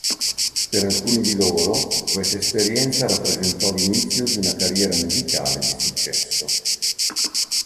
Per alcuni di loro, questa esperienza rappresentò l'inizio di una carriera musicale di successo.